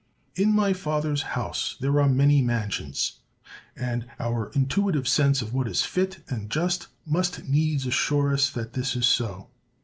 "In my Father's house there are many mansions," and our intuitive sense of what is fit and just must needs assure us that this is so.